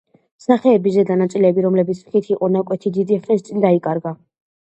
სახეების ზედა ნაწილები, რომლებიც ხით იყო ნაკეთი, დიდი ხნის წინ დაიკარგა.